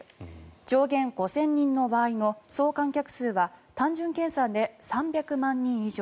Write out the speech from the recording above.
上限５０００人の場合の総観客数は単純計算で３００万人以上。